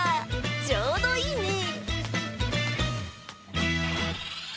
ちょうどいいねぇ。